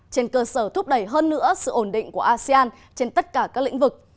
trên cơ sở thúc đẩy hơn nữa sự ổn định của asean trên tất cả các lĩnh vực